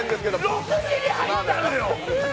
６時に入ったのよ。